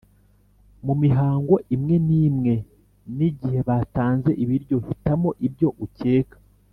mu mihango imwe n‘imwe n‘igihe batanze ibiryo hitamo ibyo ukeka